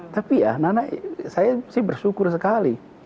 tapi ya saya bersyukur sekali